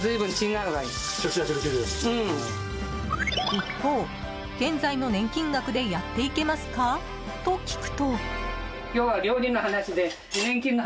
一方、現在の年金額でやっていけますか？と聞くと。